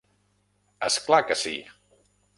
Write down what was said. És clar que sí!